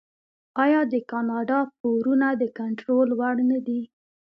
آیا د کاناډا پورونه د کنټرول وړ نه دي؟